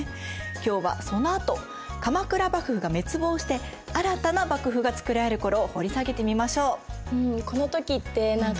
今日はそのあと鎌倉幕府が滅亡して新たな幕府がつくられる頃を掘り下げてみましょう。